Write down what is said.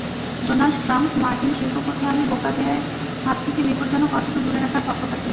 Donald Trump, মার্কিন শিল্পপতিআমি বোকাদের হাত থেকে বিপজ্জনক অস্ত্র দূরে রাখার পক্ষপাতী।